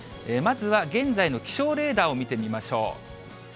まずは現在の気象レーダーを見てみましょう。